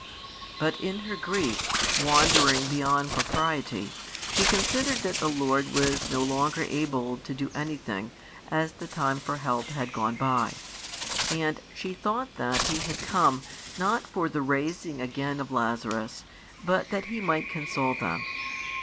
But in her grief, wandering beyond propriety, she considered that the Lord was no longer able to do anything, as the time for help had gone by; and she thought that |117 He had come, not for the raising again of Lazarus, bat that He might console them.